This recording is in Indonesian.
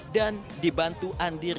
dan dibantu anggota komunitas